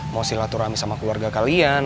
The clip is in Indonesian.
mau silaturahmi sama keluarga kalian